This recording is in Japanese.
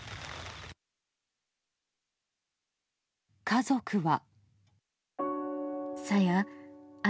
家族は。